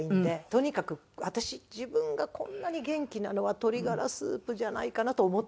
とにかく私自分がこんなに元気なのは鶏がらスープじゃないかなと思ってます。